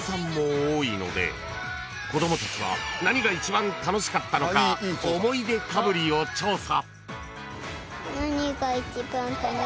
［子供たちは何が１番楽しかったのか思い出かぶりを調査］